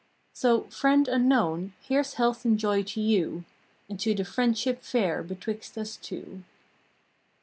So, friend unknown, here s health and joy to you, And to the Friendship fair betwixt us two!